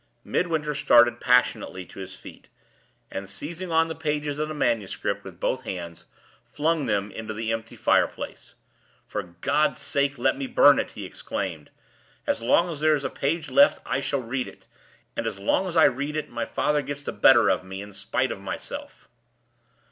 Midwinter started passionately to his feet, and, seizing on the pages of the manuscript with both hands, flung them into the empty fireplace. "For God's sake let me burn it!" he exclaimed. "As long as there is a page left, I shall read it. And, as long as I read it, my father gets the better of me, in spite of myself!"